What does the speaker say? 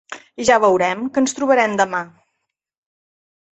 I ja veurem què ens trobarem demà.